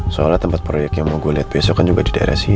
soalnya tempat proyek yang mau gue liat besok kan juga di daerah sini